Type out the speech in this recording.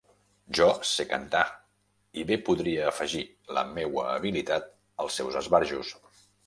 Jo sé cantar i bé podria afegir la meua habilitat als seus esbarjos.